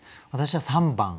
私は３番。